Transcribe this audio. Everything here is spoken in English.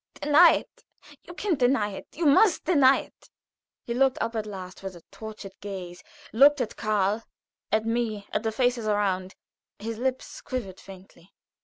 Deny it! You can deny it you must deny it!" He looked up at last, with a tortured gaze; looked at Karl, at me, at the faces around. His lips quivered faintly.